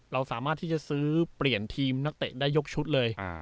เราสามารถที่จะซื้อเปลี่ยนทีมนักเตะได้ยกชุดเลย